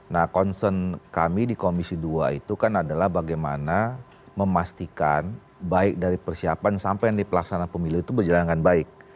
nah concern kami di komisi dua itu kan adalah bagaimana memastikan baik dari persiapan sampai nanti pelaksanaan pemilu itu berjalan dengan baik